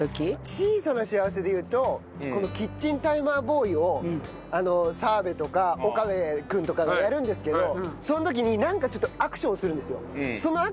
小さな幸せでいうとこのキッチンタイマーボーイを澤部とか岡部君とかがやるんですけどその時になんかちょっとアクションをするんですよ。